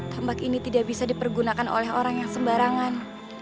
tambak ini tidak bisa dipergunakan oleh orang yang sembarangan